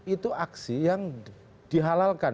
itu aksi yang dihalalkan